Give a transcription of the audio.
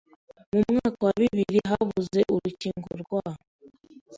Mu mwaka wa bibirihabuze urukingo rwa